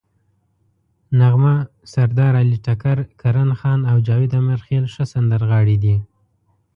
نغمه، سردارعلي ټکر، کرن خان او جاوید امیرخیل ښه سندرغاړي دي.